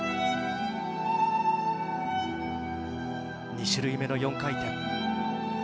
２種類目の４回転。